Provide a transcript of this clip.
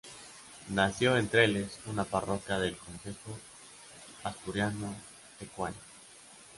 Nació en Trelles, una parroquia del concejo asturiano de Coaña.